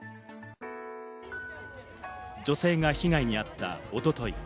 女性が被害に遭った一昨日。